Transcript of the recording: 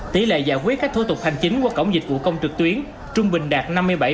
tỷ lệ giải quyết các thô tục hành chính qua cổng dịch vụ công trực tuyến trung bình đạt năm mươi bảy